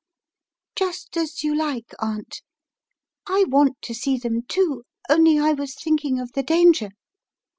"Just as you like, Aunt. I want to see them, too, only I was thinking of the danger."